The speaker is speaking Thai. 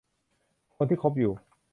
คนที่คบอยู่